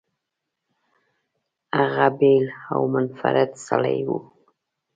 هغه بېل او منفرد سړی و.